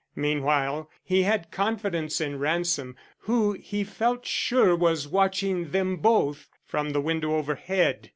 Meanwhile he had confidence in Ransom, who he felt sure was watching them both from the window overhead.